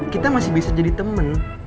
kita masih bisa jadi teman